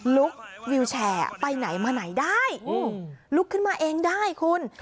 ลุกวิวแชร์ไปไหนมาไหนได้ลุกขึ้นมาเองได้คุณ